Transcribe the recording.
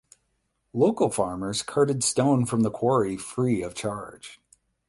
Local famers carted stone from the quarry free of charge.